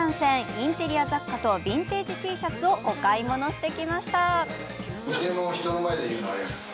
インテリア雑貨とビンテージＴシャツをお買い物してきました。